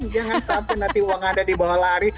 jangan sampai nanti uang ada di bawah lari